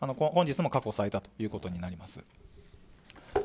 本日も過去最多ということになります。